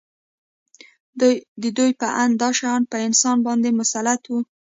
د دوی په اند دا شیان په انسان باندې مسلط وو